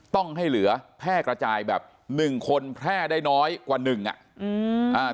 ต้องให้เหลือแพร่กระจายแบบ๑คนแพร่ได้น้อยกว่า๑อะ